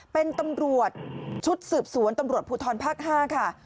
เป็นตำรวจชุดสืบสวนตำรวจภูทรภาค๕ค่ะ